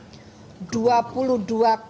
dua puluh dua bangunan yang sudah terguncang